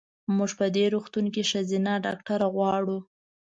مونږ په دې روغتون کې ښځېنه ډاکټره غواړو.